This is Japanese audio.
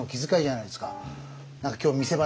何か今日見せ場